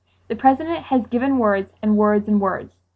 The President has given words, and words, and words.